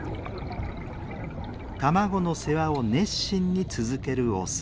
卵の世話を熱心に続けるオス。